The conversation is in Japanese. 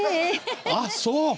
あっそう！